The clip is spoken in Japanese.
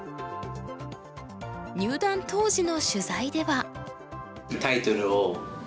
入段当時の取材では。